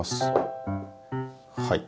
はい。